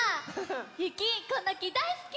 ゆきこの木だいすき！